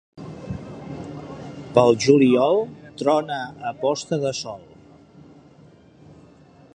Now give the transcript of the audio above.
Pel juliol trona a posta de sol.